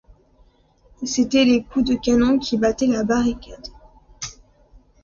C’étaient les coups de canon qui battaient la barricade.